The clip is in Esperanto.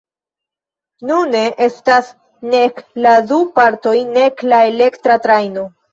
Nune estas nek la du partoj nek la elektra trajno.